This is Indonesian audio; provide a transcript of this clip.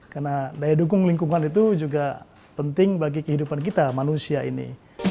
karena daya dukung lingkungan itu juga penting bagi kehidupan kita manusia ini